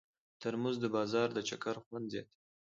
ترموز د بازار د چکر خوند زیاتوي.